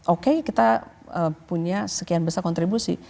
oke kita punya sekian besar kontribusi